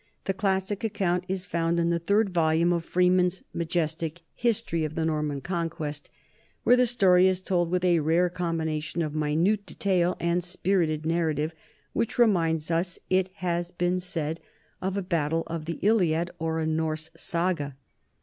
The classic account is found in the third volume of Freeman's majestic History of the Norman Conquest, where the story is told with a rare combination of minute detail and spirited narrative which reminds us, it has been said, of a battle of the Iliad or a Norse saga.